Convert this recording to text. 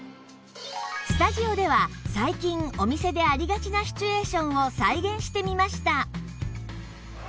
スタジオでは最近お店でありがちなシチュエーションを再現してみました